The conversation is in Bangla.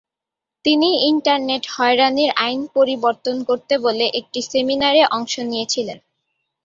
তিনি ইন্টারনেট হয়রানির আইন পরিবর্তন করতে বলে একটি সেমিনারে অংশ নিয়েছিলেন।